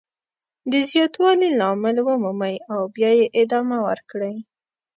د زیاتوالي لامل ومومئ او بیا یې ادامه ورکړئ.